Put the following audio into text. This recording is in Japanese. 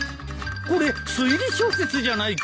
これ推理小説じゃないか。